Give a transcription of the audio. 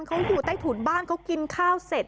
เขาอยู่ใต้ถุนบ้านเขากินข้าวเสร็จ